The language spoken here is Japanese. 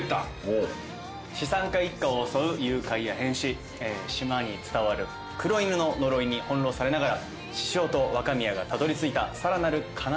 資産家一家を襲う誘拐や変死島に伝わる黒犬の呪いに翻弄されながら獅子雄と若宮がたどりついたさらなる悲しき事件とは。